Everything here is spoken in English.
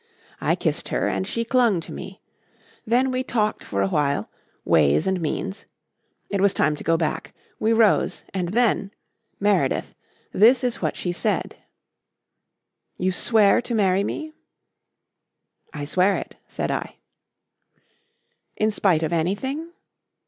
I kissed her and she clung to me. Then we talked for a while ways and means.... It was time to go back. We rose. And then Meredyth this is what she said: "'You swear to marry me?' "'I swear it,' said I. "'In spite of anything?'